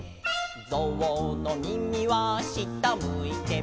「ぞうのみみは下むいて」